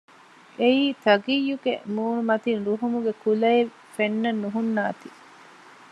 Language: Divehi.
އެއީ ތަގިއްޔުގެ މޫނުމަތިން ރުހުމުގެ ކުލައެއް ފެންނަން ނުހުންނާތީ